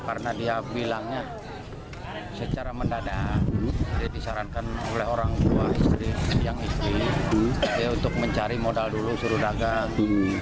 karena dia bilangnya secara mendadak dia disarankan oleh orang tua yang istri dia untuk mencari modal dulu suruh dagang